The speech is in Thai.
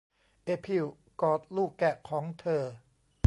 เอพิลกอดลูกแกะของเธอ